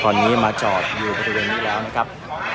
ตอนนี้ก็มาจอดอยู่อยู่ที่พระเทวินอยู่ล่ะครับ